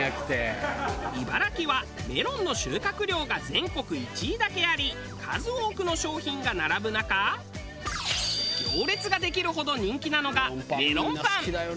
茨城はメロンの収穫量が全国１位だけあり数多くの商品が並ぶ中行列ができるほど人気なのがメロンパン。